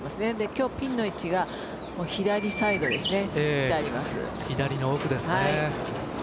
今日ピンの位置が左の奥ですね。